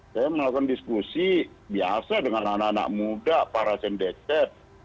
saya melakukan diskusi biasa dengan anak anak muda para cendechat